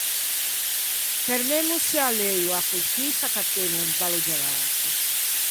Fermemmose à Leua coscì s'accattemmo un bello gelato.